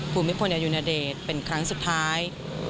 ภูมิพรรณอยุณเดชน์เป็นครั้งสุดท้าย